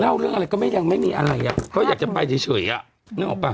เล่าเรื่องอะไรก็ไม่ยังไม่มีอะไรอ่ะก็อยากจะไปเฉยอ่ะนึกออกป่ะ